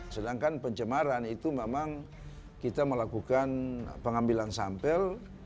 sedangkan pencemaran itu memang kita melakukan pengambilan sampel